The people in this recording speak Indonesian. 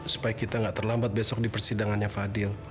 supaya kita tidak terlambat besok di persidangannya fadil